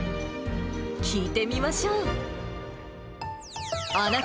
聞いてみましょう。